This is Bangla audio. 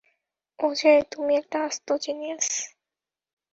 ওজে, তুমি একটা আস্ত জিনিয়াস।